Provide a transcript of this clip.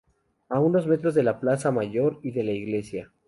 A unos metros de la plaza mayor y de la iglesia.